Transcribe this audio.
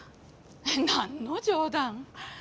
何の冗談？